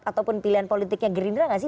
ataupun pilihan politiknya gerindra nggak sih